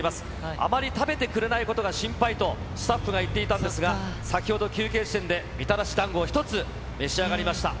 あまり食べてくれないことが心配と、スタッフが言っていたんですが、先ほど、休憩地点でみたらし団子を１つ、召し上がりました。